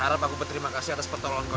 harap aku berterima kasih atas pertolongan kau